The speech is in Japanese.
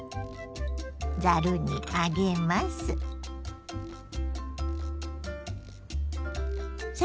ざるにあげます。